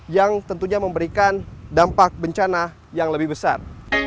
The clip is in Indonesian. yang tentunya memberikan dampak bencana yang lebih besar